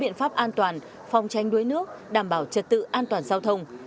biện pháp an toàn phòng tranh đuối nước đảm bảo trật tự an toàn giao thông